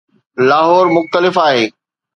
لاهور مختلف آهي.